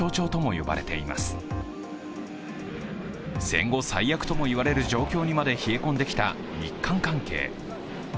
戦後最悪とも言われる状況にまで冷え込んできた日韓関係。